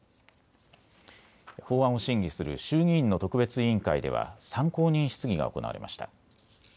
法案を審議する衆議院の特別委員会では参考人質疑が行われました。